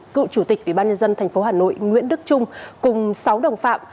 cựu chủ tịch ủy ban nhân dân tp hà nội nguyễn đức trung cùng sáu đồng phạm